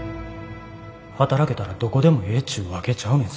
働けたらどこでもええちゅうわけちゃうねんぞ。